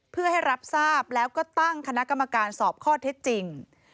เพื่อให้รับทราบแล้วก็ตั้งคณะกรรมการสอบข้อเท็จจริง